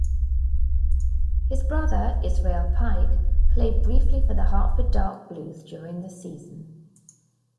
His brother, Israel Pike, played briefly for the Hartford Dark Blues during the season.